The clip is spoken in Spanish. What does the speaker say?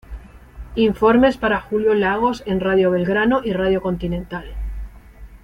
Informes para Julio Lagos en Radio Belgrano y Radio Continental.